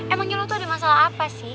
emangnya lo tuh ada masalah apa sih